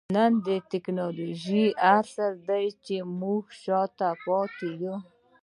نن د ټکنالوجۍ عصر دئ؛ خو موږ شاته پاته يو.